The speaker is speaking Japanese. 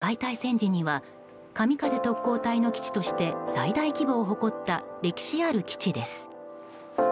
鹿屋航空基地は第２次世界大戦時には神風特攻隊の基地として最大規模を誇った歴史ある基地です。